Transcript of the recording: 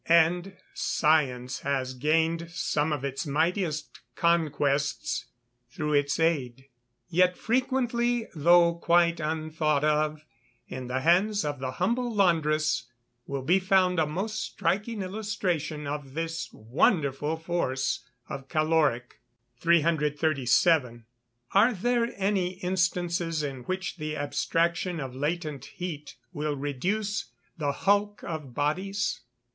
And science has gained some of its mightiest conquests through its aid. Yet frequently, though quite unthought of, in the hands of the humble laundress, will be found a most striking illustration of this wonderful force of caloric. 337. _Are there any instances in which the abstraction of latent heat will reduce the hulk of bodies?